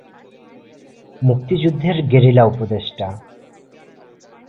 মুক্তিযুদ্ধের গেরিলা উপদেষ্টা।